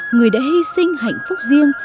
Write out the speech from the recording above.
người đã hy sinh hạnh phúc riêng